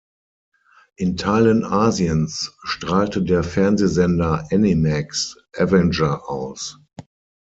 In Teilen Asiens strahlte der Fernsehsender Animax "Avenger" aus.